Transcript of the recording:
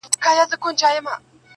پر خپلوانو گاونډیانو مهربان وو-